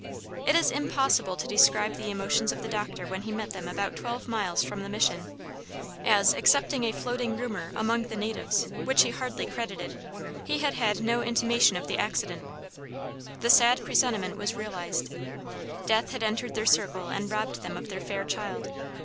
It is impossible to describe the emotions of the doctor when he met them about twelve miles from the Mission, as, excepting a floating rumor among the natives, which he hardly credited, he had had no intimation of the accident. The sad presentiment was realized. Death had entered their circle and robbed them of their fair child!